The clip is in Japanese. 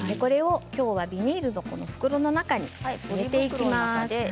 きょうはビニールの袋の中に入れていきます。